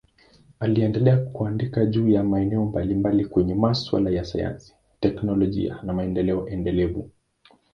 Aliendelea kuandika juu ya maeneo mbalimbali kwenye masuala ya sayansi, teknolojia na maendeleo endelevu.